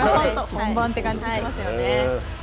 本番って感じがしますよね。